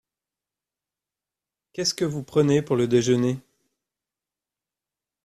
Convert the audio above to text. Qu’est-ce que vous prenez pour le déjeuner ?